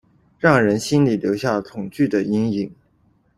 让人心里留下恐惧的阴影